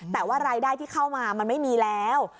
แต่ว่ารายได้ที่เข้ามามันไม่มีแล้ว